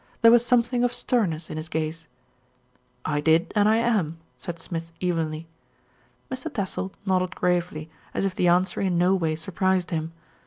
There was something of stern ness in his gaze. "I did and I am," said Smith evenly. Mr. Tassell nodded gravely, as if the answer in no way surprised him.